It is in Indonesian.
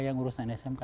yang urusan smk